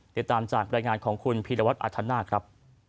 ติดตามจากรายงานของคุณพิรวัติอาทนาครับ